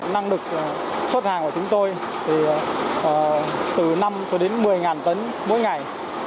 năng lực xuất hàng của chúng tôi từ năm đến một mươi tấn mỗi ngày